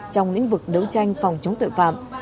trong lĩnh vực đấu tranh phòng chống tội phạm